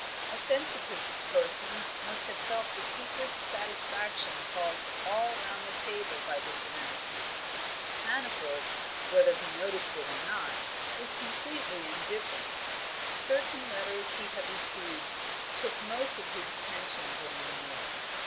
A sensitive person must have felt the secret satisfaction caused all round the table by this announcement; Hannaford, whether he noticed it or not, was completely indifferent; certain letters he had received took most of his attention during the meal.